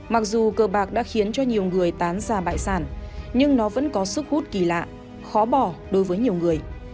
mặc dù cờ bạc đã khiến cho nhiều người tán ra bại sản nhưng nó vẫn có sức hút kỳ lạ khó bỏ đối với nhiều người